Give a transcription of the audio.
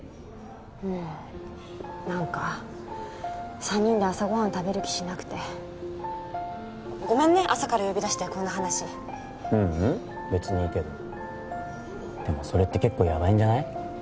うんなんか三人で朝ご飯食べる気しなくてごめんね朝から呼び出してこんな話ううん別にいいけどでもそれって結構やばいんじゃない？